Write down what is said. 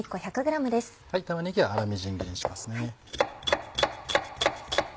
玉ねぎは粗みじん切りにします。